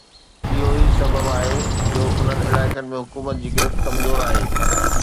اهو ئي سبب آهي جو انهن علائقن ۾ حڪومت جي گرفت ڪمزور آهي